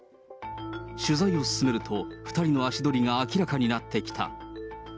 取材を進めると、２人の足取りが明らかになってきた。